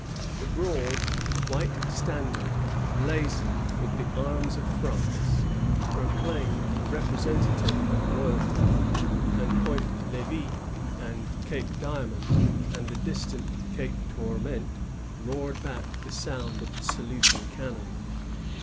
The broad, white standard, blazoned with the arms of France, proclaimed the representative of royalty; and Point Levi and Cape Diamond and the distant Cape Touimente roared back the sound of the saluting cannon.